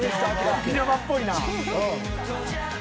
沖縄っぽいな。